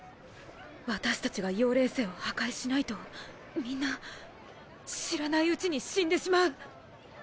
私達が妖霊星を破壊しないとみんな知らないうちに死んでしまう。